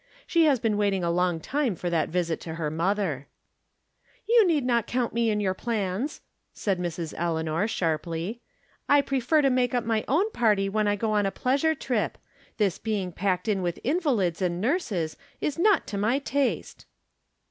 She has been waiting a long time for that visit to her mother." " You need not count me in your plans," said Mrs. Eleanor, sharply ;" I prefer to make up my own party when I go on a pleasure trip. This being packed in with invalids and nurses is not to my taste."